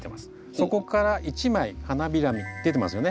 そこから１枚花びら出てますよね？